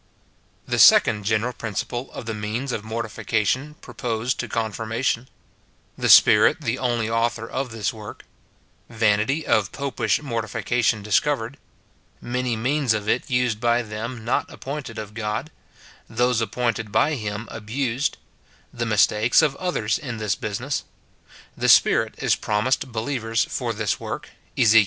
The second general principle of the means of mortification pro posed to confirmation — The Spirit the only author of this work — Vanity of popish mortification discovered — Many means of it used by them not appointed of God — Those appointed by him abused — The mistakes of others in this business — The Spirit is promised believers for this work, Ezek.